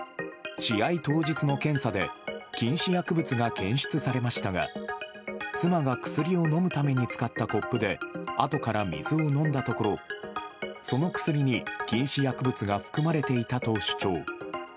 試合当日の検査で禁止薬物が検出されましたが妻が薬を飲むために使ったコップであとから水を飲んだところその薬に禁止薬物が含まれていたと主張。